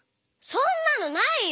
そんなのないよ！